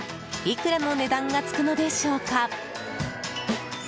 いくらの値段がつくのでしょうか。